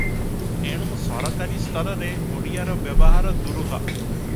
ଏଣୁ ସରକାରୀ ସ୍ତରରେ ଓଡ଼ିଆର ବ୍ୟବହାର ଦୂରୁହ ।